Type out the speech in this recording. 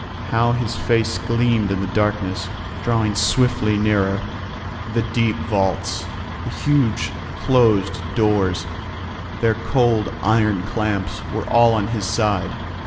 How his face gleamed in the darkness, drawing swiftly nearer! The deep vaults, the huge closed doors, their cold iron clamps were all on his side.